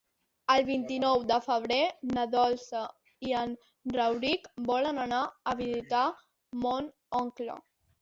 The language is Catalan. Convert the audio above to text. El vint-i-nou de febrer na Dolça i en Rauric volen anar a visitar mon oncle.